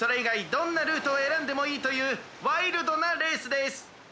どんなルートをえらんでもいいというワイルドなレースです。